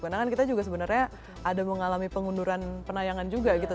karena kan kita juga sebenarnya ada mengalami pengunduran penayangan juga gitu